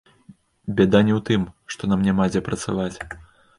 Бяда не ў тым, што нам няма дзе працаваць.